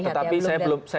tetapi saya belum